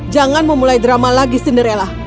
jangan memulai drama lagi cinderella